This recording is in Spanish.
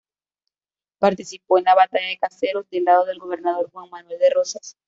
Participó en la Batalla de Caseros del lado del gobernador Juan Manuel de Rosas.